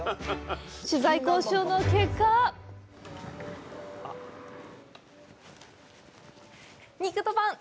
取材交渉の結果「にくと、パン。」